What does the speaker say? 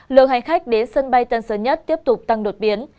lượng hành khách đến sân bay tân sơn nhất tiếp tục tăng đột biến